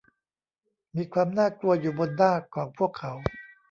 มีความน่ากลัวอยู่บนหน้าของพวกเขา